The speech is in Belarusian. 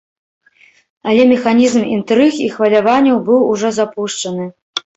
Але механізм інтрыг і хваляванняў быў ужо запушчаны.